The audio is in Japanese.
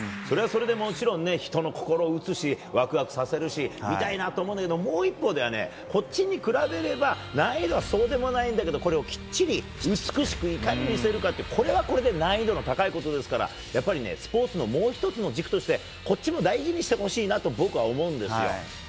それはそれでもちろん人の心を打つしワクワクさせるし見たいなと思うんだけどもう一方ではこっちに比べれば難易度はそうでもないんだけどこれをきっちり美しくいかに見せるかって難易度の高いことですからやっぱりスポーツのもう１つの軸としてこっちも大事にしてほしいなと僕は思うんですよ。